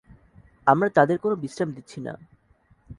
আমরা তাদের কোন বিশ্রাম দিচ্ছি না।